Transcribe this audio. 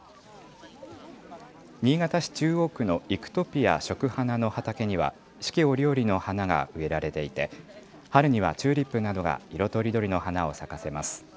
新潟市中央区のいくとぴあ食花の畑には四季折々の花が植えられていて春にはチューリップなどが色とりどりの花を咲かせます。